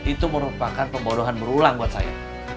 itu merupakan pembodohan berulang buat saya